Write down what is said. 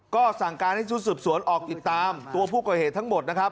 ก็สั่งการให้ชุดสืบสวนออกติดตามตัวผู้ก่อเหตุทั้งหมดนะครับ